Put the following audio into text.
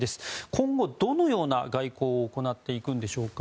今後、どのような外交を行っていくのでしょうか。